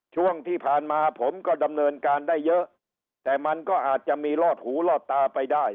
ช่วงที่ผ่านมาผมก็ดำเนินการได้เยอะแต่มันก็อาจจะมีลอดหูลอดตาไปได้